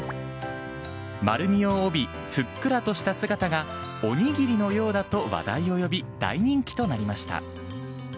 丸みを帯び、ふっくらとした姿がおにぎりのようだと話題を呼び、大人気となりました。